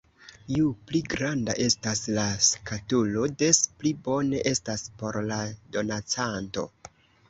Ju pli granda estas la skatolo, des pli bone estas por la donacanto.